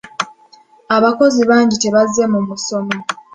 Abakozi bangi tebazze mu musomo.